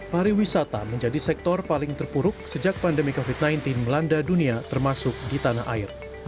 pariwisata menjadi sektor paling terpuruk sejak pandemi covid sembilan belas melanda dunia termasuk di tanah air